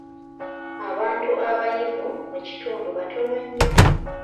Abantu abayivu mu kitundu batono nnyo.